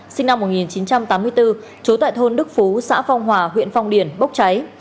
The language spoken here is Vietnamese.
sinh năm một nghìn chín trăm tám mươi bốn trú tại thôn đức phú xã phong hòa huyện phong điền bốc cháy